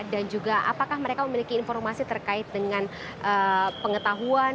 dan juga apakah mereka memiliki informasi terkait dengan pengetahuan